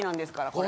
これ。